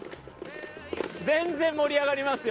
全然盛り上がりますよ。